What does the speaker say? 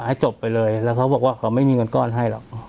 ให้จบไปเลยแล้วเขาบอกว่าเขาไม่มีเงินก้อนให้หรอก